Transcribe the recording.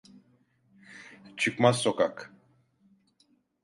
Çıkmaz sokak